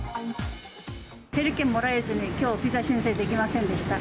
整理券もらえずに、きょう、ビザ申請できませんでした。